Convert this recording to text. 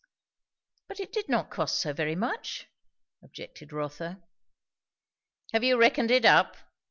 "But it did not cost so very much," objected Rotha. "Have you reckoned it up?